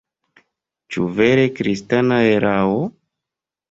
Ĉu vere kristana erao?